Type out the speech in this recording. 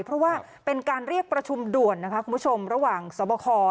เพราะว่าเป็นการเรียกประชุมด่วนนะคะคุณผู้ชมระหว่างสวบค